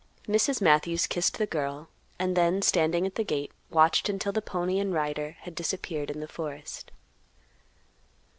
Mrs. Matthews kissed the girl, and then, standing at the gate, watched until pony and rider had disappeared in the forest.